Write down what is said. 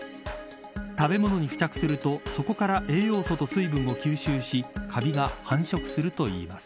食べ物に付着すると、そこから栄養素と水分を吸収しカビが繁殖するといいます。